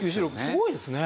すごいですね。